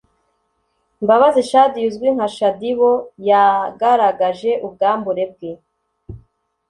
Mbabazi shadia uzwi nka shaddy boo yagaragaje ubwambure bwe